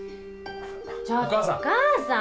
ちょっとお母さん。